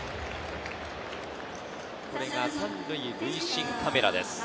これは３塁塁審カメラです。